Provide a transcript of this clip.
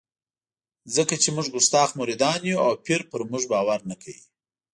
ځکه چې موږ کستاخ مریدان یو او پیر پر موږ باور نه کوي.